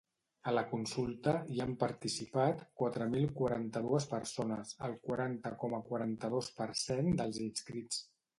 A la consulta, hi han participat quatre mil quaranta-dues persones, el quaranta coma quaranta-dos per cent dels inscrits.